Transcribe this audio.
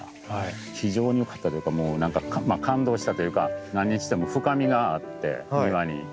非常に良かったというかもう何か感動したというか何にしても深みがあって庭に。